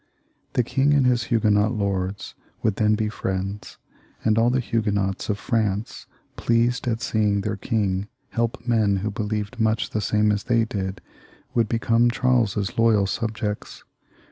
The king and his Huguenot lords would then be friends, and all the Huguenots of France, pleased at seeing their king help men who believed much the same as they did, would become Charles's loyal subjects.